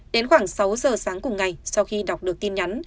đến khoảng sáu giờ sáng cùng ngày sau khi đọc được tin nhắn